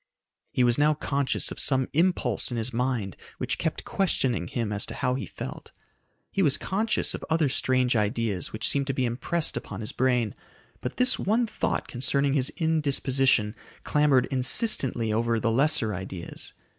He was now conscious of some impulse in his mind which kept questioning him as to how he felt. He was conscious of other strange ideas which seemed to be impressed upon his brain, but this one thought concerning his indisposition clamored insistently over the lesser ideas.